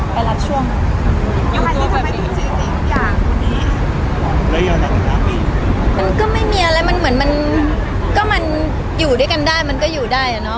ไปรับช่วงทุกอย่างตอนนี้มันก็ไม่มีอะไรมันเหมือนมันก็มันอยู่ด้วยกันได้มันก็อยู่ได้อะเนอะ